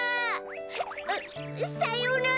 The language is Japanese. あっさようなら！